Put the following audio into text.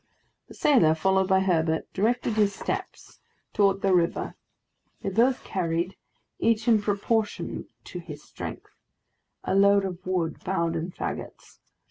The sailor, followed by Herbert, directed his steps towards the river. They both carried, each in proportion to his strength, a load of wood bound in fagots.